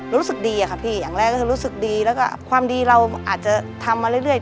รู้สึกดีอะค่ะพี่อย่างแรกก็คือรู้สึกดีแล้วก็ความดีเราอาจจะทำมาเรื่อย